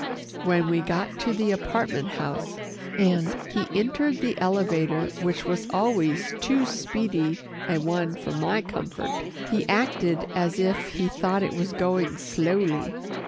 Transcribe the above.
When we got to the apartment house, and he entered the elevator which was always too speedy a one for my comfort, he acted as if he thought it was going slowly.